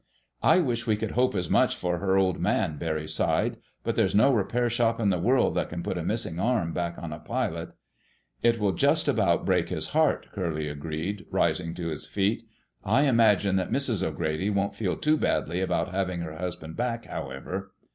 "I wish we could hope as much for her Old Man," Barry sighed. "But there's no repair shop in the world that can put a missing arm back on a pilot." "It will just about break his heart," Curly agreed, rising to his feet. "I imagine that Mrs. O'Grady won't feel too badly about having her husband back, however....